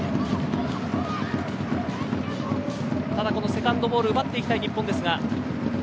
セカンドボール奪っていきたい日本ですが。